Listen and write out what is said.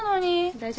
大丈夫。